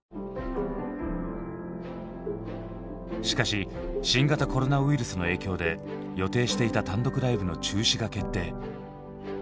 しかし新型コロナウイルスの影響で予定していた単独ライブの中止が決定。